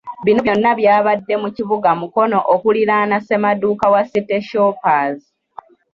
Bino byonna byabadde mu kibuga Mukono okuliraana Ssemaduuka wa City Shoppers.